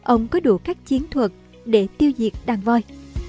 ông có đủ các chiến thuật để tiêu diệt đàn voi